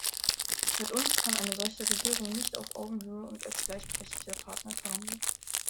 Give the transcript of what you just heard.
Mit uns kann eine solche Regierung nicht auf Augenhöhe und als gleichberechtigter Partner verhandeln.